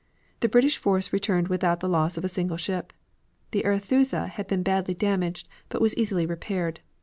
The British force returned without the loss of a single ship. The Arethusa had been badly damaged, but was easily repaired.